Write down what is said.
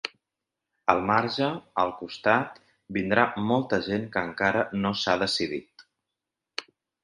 Al marge, al costat, vindrà molta gent que encara no s’ha decidit.